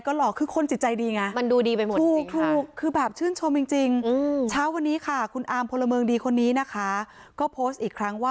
ขอบคุณมากนะครับทุกคน